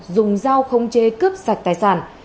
dùng dao không chê cướp sạch tài sản